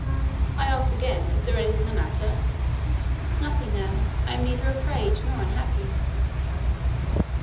I ask again, is there anything the matter?" "Nothing now; I am neither afraid nor unhappy."